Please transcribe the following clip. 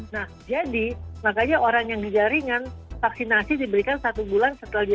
nah jadi makanya orang yang gejala ringan vaksinasi diberikan satu bulan setelah dia